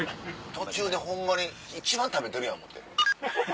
途中でホンマに一番食べてるやん思うて。